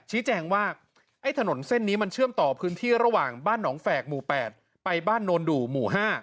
ชี้แจงว่าไอ้ถนนเส้นนี้มันเชื่อมต่อพื้นที่ระหว่างบ้านหนองแฝกหมู่๘ไปบ้านโนนดู่หมู่๕